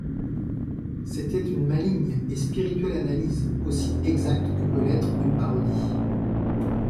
C’était une maligne et spirituelle analyse, aussi exacte que peut l’être une parodie.